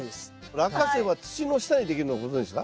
ラッカセイは土の下にできるのご存じですか？